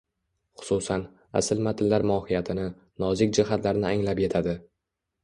Xususan, asl matnlar mohiyatini, nozik jihatlarini anglab yetadi.